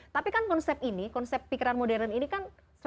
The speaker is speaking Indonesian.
tapi kan konsep ini konsep pikiran modern ini kan